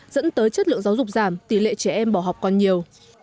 dẫn tới chất lượng giáo dục giảm tỷ lệ trẻ em bỏ học còn nhiều